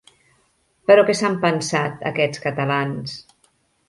Però què s'han pensat, aquests catalans!